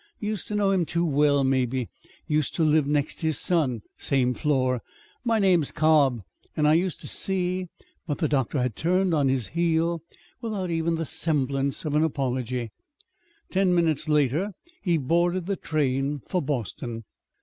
Used to know him too well, maybe. Used to live next his son same floor. My name's Cobb and I used to see " But the doctor had turned on his heel without even the semblance of an apology. Ten minutes later he boarded the train for Boston.